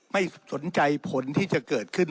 ไม่สนใจผลที่จะเกิดขึ้น